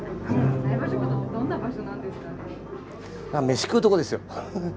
飯食うとこですよ。